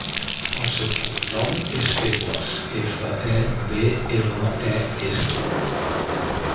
El seu cognom és Febles: efa, e, be, ela, e, essa.